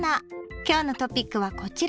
今日のトピックはこちら。